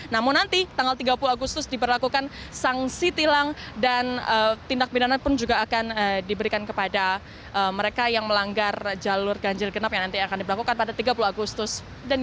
namun nanti tanggal tiga puluh agustus diberlakukan sanksi tilang dan tindak bidana pun juga akan diberikan kepada mereka yang melanggar jalur ganjil genap yang nanti akan diberlakukan pada tiga puluh agustus